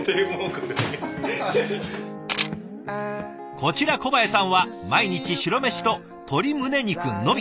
こちら小八重さんは毎日白飯と鶏胸肉のみ。